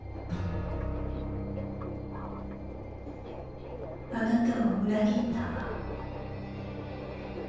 あなたを裏切ったわ。